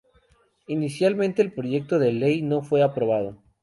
Inicialmente el proyecto de ley no fue aprobado.